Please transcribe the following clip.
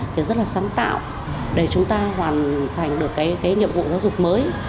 thì rất là sáng tạo để chúng ta hoàn thành được cái nhiệm vụ giáo dục mới